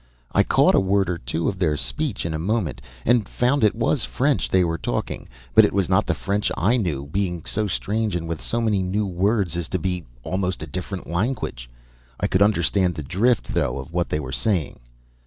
I caught a word or two of their speech in a moment, and found it was French they were talking. But it was not the French I knew, being so strange and with so many new words as to be almost a different language. I could understand the drift, though, of what they were saying.